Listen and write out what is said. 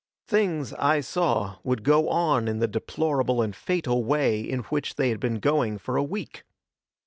Things, I saw, would go on in the deplorable and fatal way in which they had been going for a week.